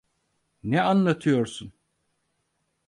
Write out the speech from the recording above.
Ne anlatıyorsun?